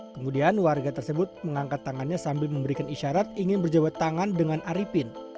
kemudian warga tersebut mengangkat tangannya sambil memberikan isyarat ingin berjabat tangan dengan arifin